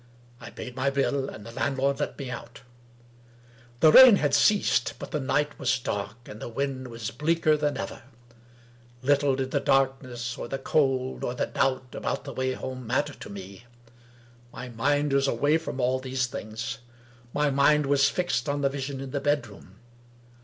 I paid my bill, and the landlord let me out. The rain had ceased; but the night was dark, and the wind was bleaker than ever. Little did the darkness, or the cold, or the doubt about the way home matter to me. My mind was away from all these things. My mind was fixed on the vision in the bedroom.